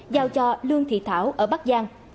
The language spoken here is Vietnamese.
giao cho lương thị thảo ở bắc giang